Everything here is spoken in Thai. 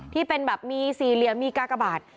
ที่มีแบบซีเรียส์มีกล้ากระบาด